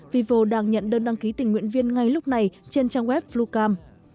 vivo đang nhận đơn đăng ký tình nguyện viên ngay lúc này trên trang web flucam